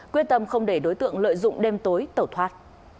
quyết tâm không để đối tượng lợi dụng đêm tối tẩu thoát